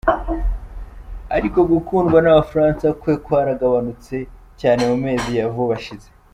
Ariko gukundwa n'Abafaransa kwe kwaragabanutse cyane mu mezi ya vuba ashize.